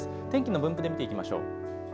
天気の分布で見ていきましょう。